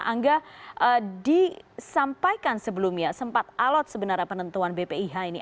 angga disampaikan sebelumnya sempat alot sebenarnya penentuan bpih ini